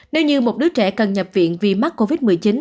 nếu như một đứa trẻ cần nhập viện vì mắc covid một mươi chín